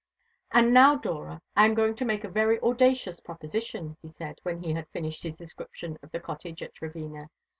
"And now, Dora, I am going to make a very audacious proposition," he said, when he had finished his description of the cottage at Trevena.